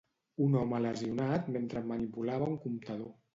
Un home lesionat mentre manipulava un comptador.